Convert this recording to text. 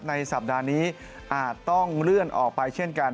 ในสัปดาห์นี้อาจต้องเลื่อนออกไปเช่นกัน